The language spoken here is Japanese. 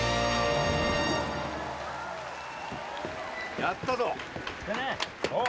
やったぞ！